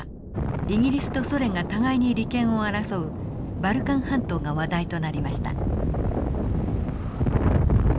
イギリスとソ連が互いに利権を争うバルカン半島が話題となりました。